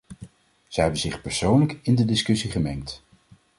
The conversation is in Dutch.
Zij hebben zich persoonlijk in de discussies gemengd.